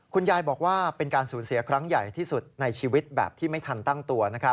คุณยายบอกว่าเป็นการสูญเสียครั้งใหญ่ที่สุดในชีวิตแบบที่ไม่ทันตั้งตัว